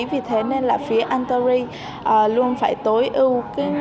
vì thế nên là phía antory luôn phải tối ưu